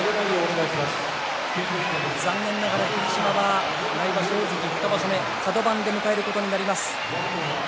残念ながら霧島は、来場所大関２場所目カド番で迎えることになります。